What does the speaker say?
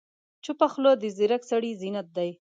چپه خوله، د ځیرک سړي زینت دی.